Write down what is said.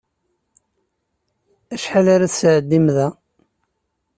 Acḥal ara tesɛeddim da?